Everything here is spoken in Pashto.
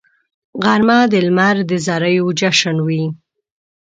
غرمه د لمر د زریو جشن وي